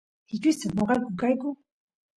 kichwistas noqayku kayku